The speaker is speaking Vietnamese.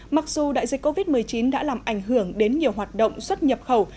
mặc dù đại dịch covid một mươi chín đã làm ảnh hưởng đến nhiều hoạt động xuất nhập khẩu